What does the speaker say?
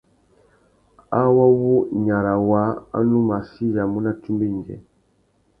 Awô wu nyara waā a nù mù achiyamú nà tsumba indjê.